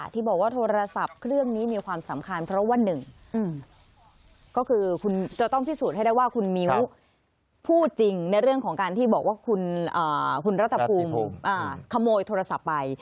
ที่บอกว่าโทรศัพท์เครื่องนี้มีความสำคัญเพราะว่าหนึ่งก็คือคุณจะต้องพิสูจน์ให้ได้ว่าคุณมิ้วพูดจริงในเรื่องของการที่บอกว่าคุณรัฐภูมิขโมยโทรศัพท์ไป